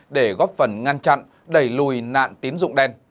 để góp phần ngăn chặn đẩy lùi nạn tiến dụng đen